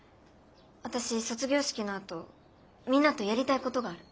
私卒業式のあとみんなとやりたいことがある。